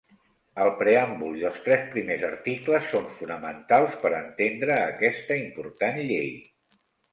El preàmbul i els tres primers articles són fonamentals per entendre aquesta important llei.